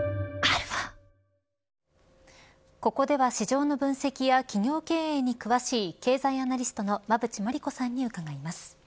ここでは市場の分析や企業経営に詳しい経済アナリストの馬渕磨理子さんに伺います。